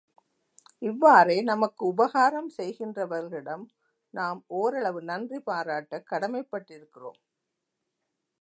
இவ்வாறே நமக்கு உபகாரம் செய்கின்றவர்களிடம் நாம் ஓரளவு நன்றி பாராட்டக் கடமைப்பட்டிருக்கிறோம்.